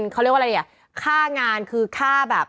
ซึ่งมันก็เป็นเขาเรียกว่าอะไรเนี่ยค่างานคือค่าแบบ